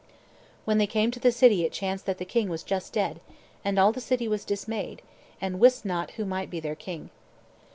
When they came to the city it chanced that the king was just dead, and all the city was dismayed, and wist not who might be their king.